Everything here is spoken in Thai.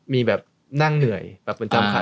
มีแบบนั่งเหนื่อยแบบประจำคัน